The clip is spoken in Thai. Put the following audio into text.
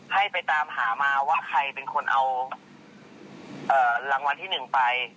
ให้ไปตามหามาว่าใครเป็นคนเอารางวัลที่๑ไป